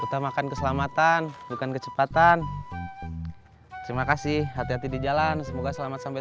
utamakan keselamatan bukan kecepatan terima kasih hati hati di jalan semoga selamat sampai